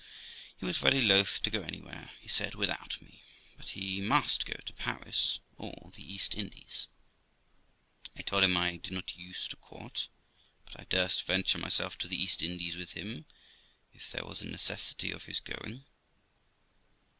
He was very loth to go anywhere, he said, without me, but he must go to Paris or the East Indies. I told him I did not use to court, but I durst venture myself to the East Indies with him, if there was a necessity of his going.